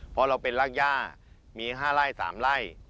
เพราะเราเป็นรากย่ามี๕ไร่๓ไร่